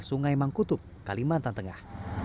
sungai mangkutub kalimantan tengah